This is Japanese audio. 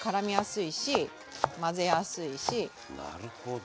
なるほど。